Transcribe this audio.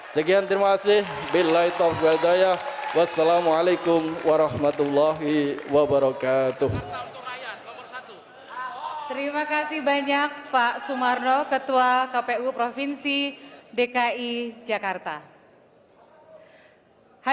sekian terima kasih